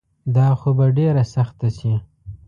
دا خو به ډیره سخته شي